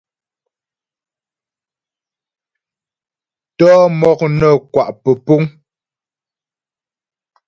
Tɔ'ɔ mɔk nə́ kwa' pə́púŋ.